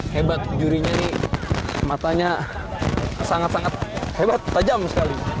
hebat jurinya ini matanya sangat sangat hebat tajam sekali